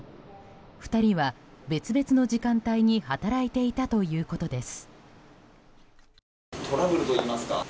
２人は別々の時間帯に働いていたということです。